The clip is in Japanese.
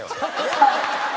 えっ？